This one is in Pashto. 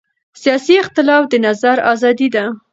سیاسي اختلاف د نظر ازادي ده